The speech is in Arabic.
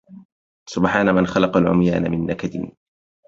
سبحان من خلق العميان من نكد